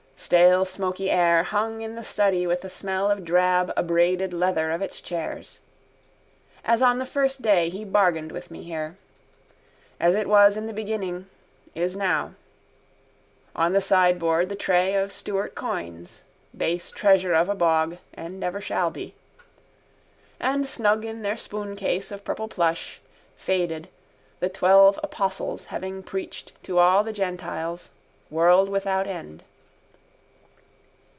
Stale smoky air hung in the study with the smell of drab abraded leather of its chairs. As on the first day he bargained with me here. As it was in the beginning, is now. On the sideboard the tray of Stuart coins, base treasure of a bog: and ever shall be. And snug in their spooncase of purple plush, faded, the twelve apostles having preached to all the gentiles: world without end.